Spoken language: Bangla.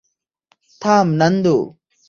থাম, নান্দু!